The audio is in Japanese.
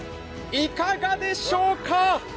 いかがでしょうか。